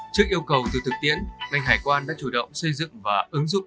trước yêu cầu từ thực tiễn ngành hải quan đã chủ động xây dựng và ứng dụng hàng hóa